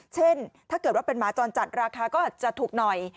เช่นถ้าเกิดว่าเป็นหมาจรจัดราคาก็จะถูกหน่อย